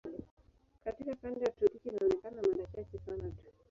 Katika kanda ya tropiki inaonekana mara chache sana tu.